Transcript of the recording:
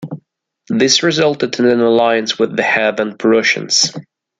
This resulted in an alliance with the heathen Prussians.